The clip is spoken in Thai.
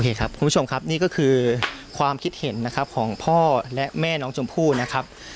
นี่ครับคุณผู้ชมครับนี่ก็คือความคิดเห็นนะครับของพ่อและแม่น้องชมพู่นะครับ